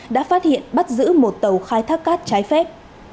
đã phát hiện bắt giữ một tàu khai thác cát trái phép